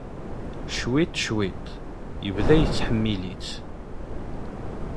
Cwiṭ, cwiṭ, yebda yettḥemmil-itt.